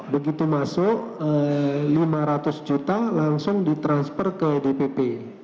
begitu masuk lima ratus juta langsung ditransfer ke dpp